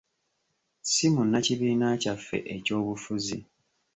Si munnakibiina kyaffe eky'obufuzi.